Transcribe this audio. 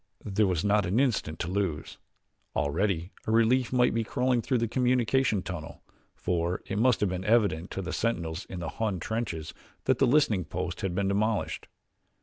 There was not an instant to lose. Already a relief might be crawling through the communication tunnel, for it must have been evident to the sentinels in the Hun trenches that the listening post had been demolished.